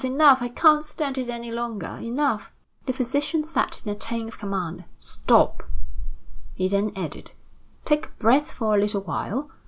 enough! I can't stand it any longer! Enough!" The physician said in a tone of command: "Stop!" He then added: "Take breath for a little while.